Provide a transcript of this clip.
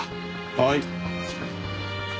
はい。